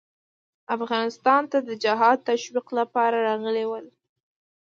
افغانستان ته د جهاد تشویق لپاره راغلي ول.